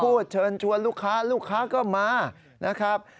เชิญชวนลูกค้าลูกค้าก็มานะครับ